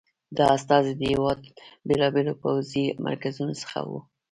دا استازي د هېواد بېلابېلو پوځي مرکزونو څخه وو.